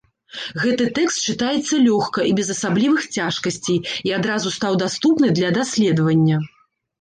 Гэты тэкст чытаецца лёгка і без асаблівых цяжкасцей і адразу стаў даступны для даследавання.